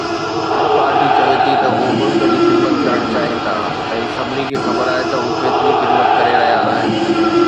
هر party چوي ٿي ته هو ملڪ جي خدمت ڪرڻ چاهين ٿا ۽ سڀني کي خبر آهي ته هو ڪيتري خدمت ڪري رهيا آهن